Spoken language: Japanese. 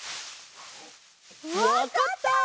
わかった！